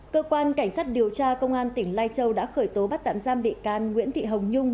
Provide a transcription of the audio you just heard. cơ quan cảnh sát điều tra công an tỉnh lai châu đã khởi tố bắt tạm giam bị can nguyễn thị hồng nhung